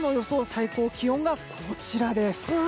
最高気温がこちらです。